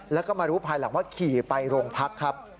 แล้วก็มารู้ภายหลังว่าขี่ไปโรงพักครับ